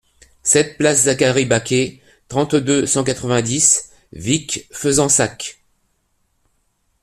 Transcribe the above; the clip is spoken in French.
sept place Zaccharie Baqué, trente-deux, cent quatre-vingt-dix, Vic-Fezensac